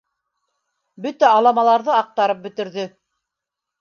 Бөтә аламаларҙы аҡтарып бөтөрҙө.